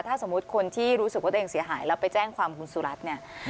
ถ้าสมมุติคนที่รู้สึกว่าตัวเองเสียหายแล้วไปแจ้งความคุณสุรัตน์เนี่ย